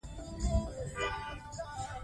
مالي پریکړې باید رڼې وي.